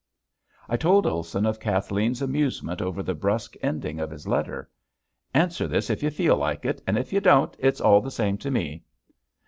I told Olson of Kathleen's amusement over the brusque ending of his letter, "Answer this if you feel like it and if you don't it's all the same to me."